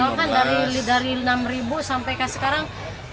wortel kan dari enam sampai ke sekarang enam belas lima belas